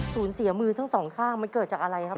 สูญเสียมือทั้งสองข้างมันเกิดจากอะไรครับ